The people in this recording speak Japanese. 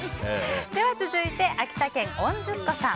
続いて、秋田県の方。